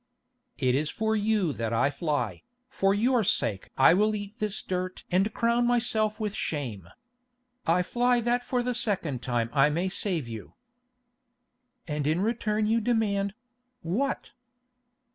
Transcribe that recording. "It is for you that I fly, for your sake I will eat this dirt and crown myself with shame. I fly that for the second time I may save you." "And in return you demand—what?"